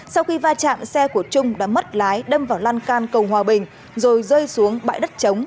sau khi va chạm xe của trung đã mất lái đâm vào lan can cầu hòa bình rồi rơi xuống bãi đất chống